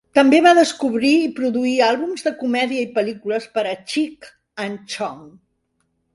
També va descobrir i produir àlbums de comèdia i pel·lícules per a "Cheech and Chong".